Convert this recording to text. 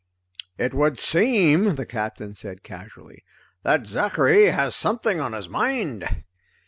"It would seem," the Captain said casually, "that Zachary has something on his mind."